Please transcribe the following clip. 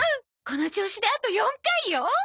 この調子であと４回よ！